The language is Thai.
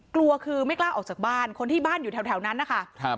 กลัวคือไม่กล้าออกจากบ้านคนที่บ้านอยู่แถวนั้นนะคะ